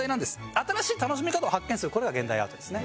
新しい楽しみ方を発見するこれが現代アートですね。